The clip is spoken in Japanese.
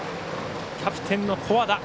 キャプテンの古和田。